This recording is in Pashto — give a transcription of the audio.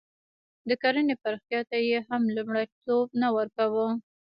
د کرنې پراختیا ته یې هم لومړیتوب نه ورکاوه.